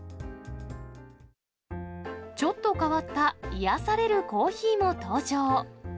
ちょっと変わった癒やされるコーヒーも登場。